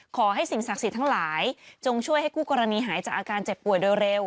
สิ่งศักดิ์สิทธิ์ทั้งหลายจงช่วยให้คู่กรณีหายจากอาการเจ็บป่วยโดยเร็ว